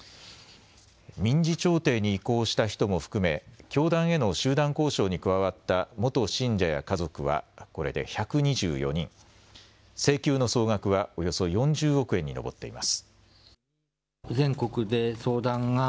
民事調停に移行した人も含め教団への集団交渉に加わった元信者や家族はこれで１２４人、請求の総額はおよそ４０億円に上っています。